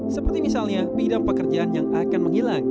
seperti misalnya bidang pekerjaan yang akan menghilang